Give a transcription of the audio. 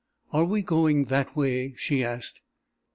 "Are we going that way?" she asked.